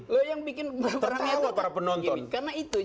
terang terang para penonton